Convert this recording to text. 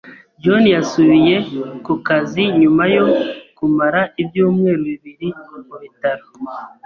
John yasubiye ku kazi nyuma yo kumara ibyumweru bibiri mu bitaro.